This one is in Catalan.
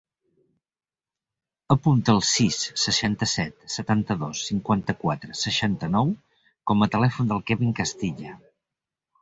Apunta el sis, seixanta-set, setanta-dos, cinquanta-quatre, seixanta-nou com a telèfon del Kevin Castilla.